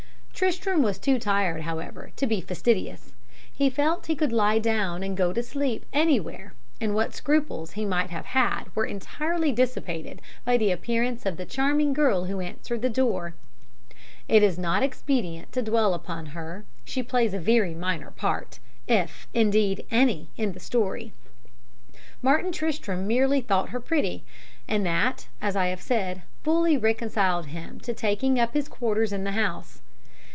"Tristram was too tired, however, to be fastidious; he felt he could lie down and go to sleep anywhere, and what scruples he might have had were entirely dissipated by the appearance of the charming girl who answered the door. "It is not expedient to dwell upon her she plays a very minor part, if, indeed, any, in the story. Martin Tristram merely thought her pretty, and that, as I have said, fully reconciled him to taking up his quarters in the house.